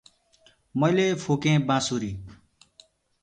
मैले फुकें बाँसुरी ।